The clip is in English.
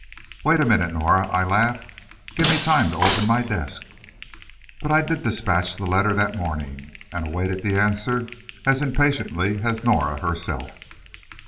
"Wait a minute, Norah," I laughed; "give me time to open my desk!" But I did dispatch the letter that morning, and awaited the answer as impatiently as Norah herself.